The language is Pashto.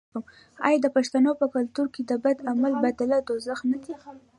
آیا د پښتنو په کلتور کې د بد عمل بدله دوزخ نه دی؟